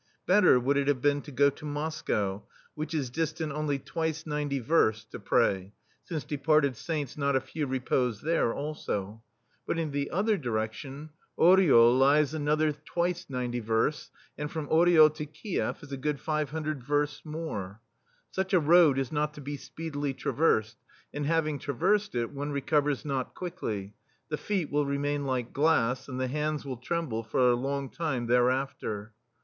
Better would it have been to go to Moscow, which is distant only "twice ninety versts, to pray, since departed Saints not a few repose there, also. But in the [3^ THE STEEL FLEA Other direftion, Oryol lies another twice ninety versts/* and from Oryol to KiefF is a good five hundred versts more. Such a road is not to be speedily traversed, and having traversed it, one recovers not quickly — the feet will remain like glass, and the hands will tremble for a long time thereafter.